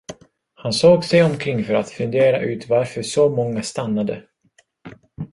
Han såg sig omkring för att fundera ut varför så många stannade.